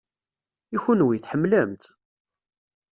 I kenwi, tḥemmlem-tt?